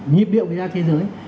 nhiệm điệu cái giá thế giới